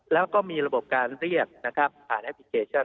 แล้วก็มีระบบการเรียกผ่านแอปปิเทชั่น